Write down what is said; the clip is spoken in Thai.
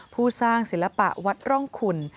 ผู้สร้างศิลปะวัดร่องคุณ